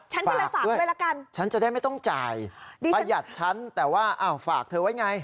ฉันก็เลยฝากด้วยละกันฉันจะได้ไม่ต้องจ่ายประหยัดฉันแต่ว่าอ้าวฝากเธอไว้ไง